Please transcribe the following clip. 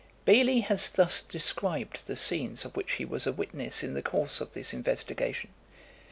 Bailly has thus described the scenes of which he was a witness in the course of this investigation.